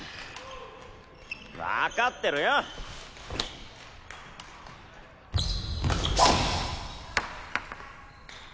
わかってるよっ！